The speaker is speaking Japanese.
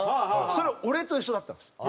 それは俺と一緒だったんですよ。